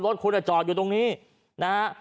รถคุณจอดอยู่ตรงนี้นะฮะ